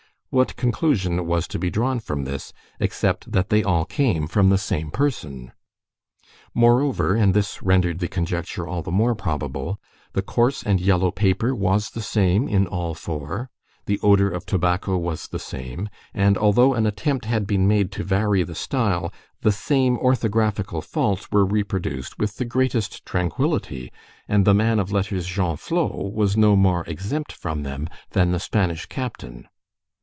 What conclusion was to be drawn from this, except that they all come from the same person? Moreover, and this rendered the conjecture all the more probable, the coarse and yellow paper was the same in all four, the odor of tobacco was the same, and, although an attempt had been made to vary the style, the same orthographical faults were reproduced with the greatest tranquillity, and the man of letters Genflot was no more exempt from them than the Spanish captain.